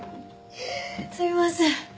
すいません。